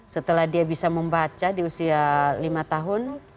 setelah dia bisa membaca di usia lima tahun